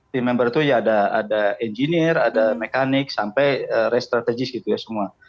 team member itu ya ada engineer ada mekanik sampai race strategist gitu ya semua